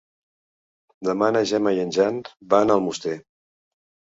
Demà na Gemma i en Jan van a Almoster.